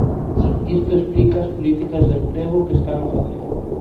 Isto explica as políticas de emprego que están a facer.